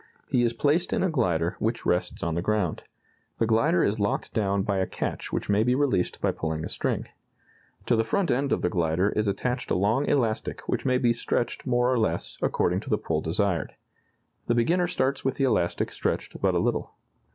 He is placed in a glider which rests on the ground. The glider is locked down by a catch which may be released by pulling a string. To the front end of the glider is attached a long elastic which may be stretched more or less, according to the pull desired. The beginner starts with the elastic stretched but a little.